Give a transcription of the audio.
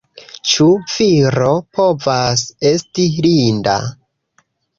Ĉu viro povas esti linda?